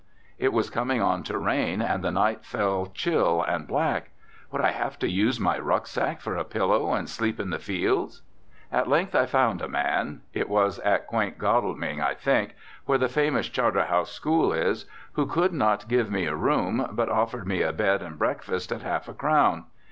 It was coming on to rain and the night fell chill and black. Would I have to use my rucksack for a pillow and sleep in the fields? At length I found a man it was at quaint Godalming, I think, where the famous Charterhouse School is who could not give me a room, but offered me a bed and breakfast at half a crown.